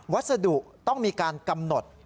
วัสดุต้องมีการกำหนด